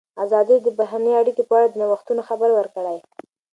ازادي راډیو د بهرنۍ اړیکې په اړه د نوښتونو خبر ورکړی.